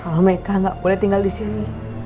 kalo mereka ga boleh tinggal disini